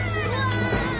あ！